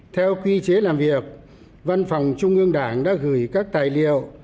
theo quy chế làm việc văn phòng trung ương đảng đã gửi các tài liệu